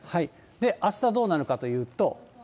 あしたどうなるかというと。